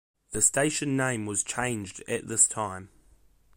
The station name was changed at this time.